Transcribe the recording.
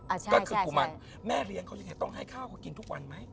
อ่ะใช่ใช่คุณแม่เลี้ยงเขาอย่างไรต้องให้ข้าวกินทุกวันไหม